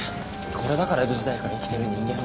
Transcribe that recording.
これだから江戸時代から生きてる人間は。